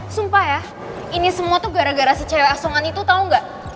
sumpah ya ini semua tuh gara gara si cewek asongan itu tau gak